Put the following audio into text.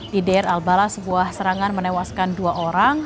di dair al bala sebuah serangan menewaskan dua orang